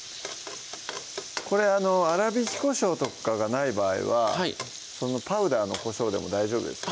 これ粗びきこしょうとかがない場合はパウダーのこしょうでも大丈夫ですか？